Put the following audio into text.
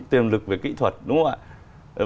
tiềm lực về kỹ thuật đúng không ạ